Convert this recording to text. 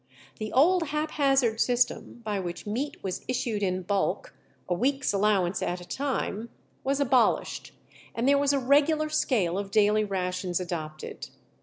The old haphazard system, by which meat was issued in bulk, a week's allowance at a time, was abolished, and there was a regular scale of daily rations adopted.